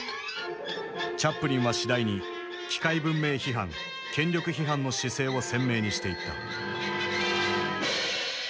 チャップリンは次第に機械文明批判権力批判の姿勢を鮮明にしていった。